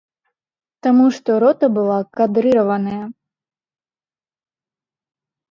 Таму што рота была кадрыраваная.